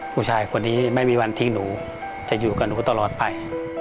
ผู้ชายคนนี้ไม่มีวันที่หนูจะอยู่กับหนูตลอดไป